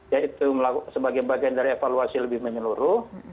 yaitu sebagai bagian dari evaluasi lebih menyeluruh